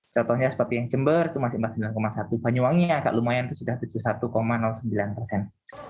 contohnya seperti yang jember itu masih empat puluh sembilan satu banyuwangi agak lumayan sudah tujuh puluh satu sembilan persen